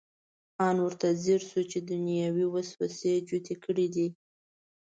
ان ورته ځیر شو چې دنیوي وسوسې جوتې کړې دي.